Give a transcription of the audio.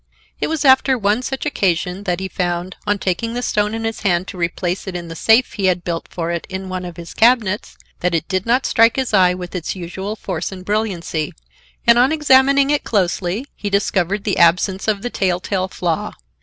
It was after one such occasion that he found, on taking the stone in his hand to replace it in the safe he had had built for it in one of his cabinets, that it did not strike his eye with its usual force and brilliancy, and, on examining it closely, he discovered the absence of the telltale flaw.